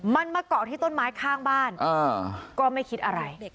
มันมาเกาะที่ต้นไม้ข้างบ้านก็ไม่คิดอะไร